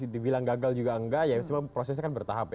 dibilang gagal juga enggak ya cuma prosesnya kan bertahap ya